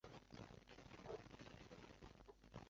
二列叶柃为山茶科柃木属下的一个种。